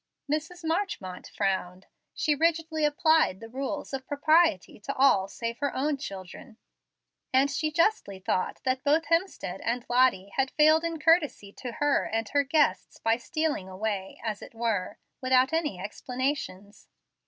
Mrs. Marchmont frowned. She rigidly applied the rules of propriety to all save her own children, and she justly thought that both Hemstead and Lottie had failed in courtesy to her and her guests, by stealing away, as it were, without any explanations.